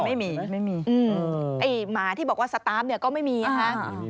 ไอ้หมาที่บอกว่าสตามเนี่ยก็ไม่มีค่ะ